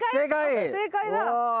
正解だ。